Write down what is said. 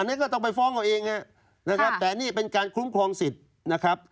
อันนี้ก็ต้องไปฟ้องเอาเองนะครับแต่นี่เป็นการคุ้มครองสิทธิ์นะครับ